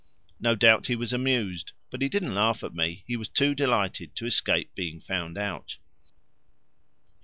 No doubt he was amused; but he didn't laugh at me, he was too delighted to escape being found out.